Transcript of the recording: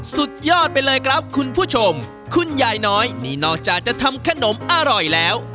สุดยอดไปเลยครับคุณผู้ชมคุณยายน้อยนี่นอกจากจะทำขนมอร่อยแล้ว